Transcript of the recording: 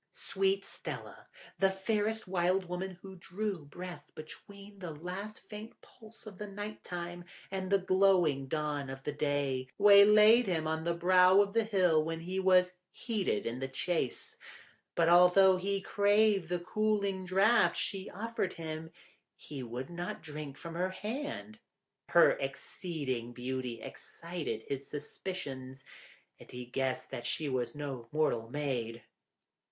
Sweet Stella, the fairest Wild Woman who drew breath between the last faint pulse of the night time and the glowing dawn of day, waylaid him on the brow of the hill when he was heated in the chase, but although he craved the cooling draught she offered him, he would not drink from her hand; her exceeding beauty excited his suspicions, and he guessed that she was no mortal maid.